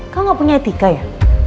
kamu gak punya etika ya